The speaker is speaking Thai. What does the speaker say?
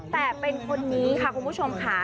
แต่เป็นคนนี้ค่ะคุณผู้ชมค่ะ